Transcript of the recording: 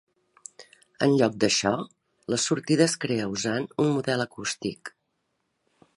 En lloc d'això, la sortida es crea usant un model acústic.